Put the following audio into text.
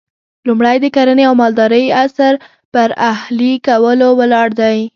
لومړی د کرنې او مالدارۍ عصر پر اهلي کولو ولاړ دی